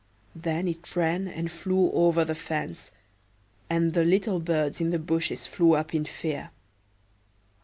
Then it ran and flew over the fence, and the little birds in the bushes flew up in fear.